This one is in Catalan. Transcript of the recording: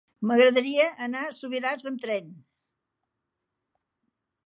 M'agradaria anar a Subirats amb tren.